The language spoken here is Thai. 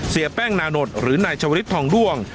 เสียแป้งนานดหรือนายชาวลิศทองด้วง